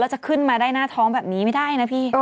จะขึ้นมาได้หน้าท้องแบบนี้ไม่ได้นะพี่